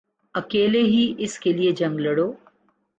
اکیلے ہی اس کیلئے جنگ لڑو